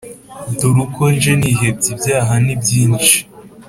Dore uko nje nihebye ibyaha ni byinshi